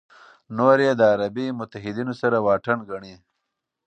نور یې د عربي متحدینو سره واټن ګڼي.